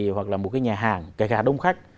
hoặc là một cái nhà hàng kể cả đông khách